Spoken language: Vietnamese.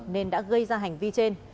nên đã gây ra hành vi trên